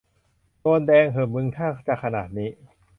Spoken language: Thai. โดนแดงเหอะมึงถ้าจะขนาดนี้